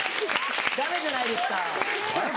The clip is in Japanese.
ダメじゃないですか。